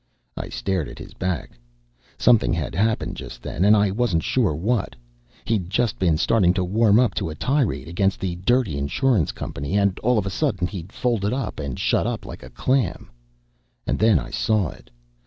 I stared at his back. Something had happened just then, and I wasn't sure what. He'd just been starting to warm up to a tirade against the dirty insurance company, and all of a sudden he'd folded up and shut up like a clam. And then I saw it.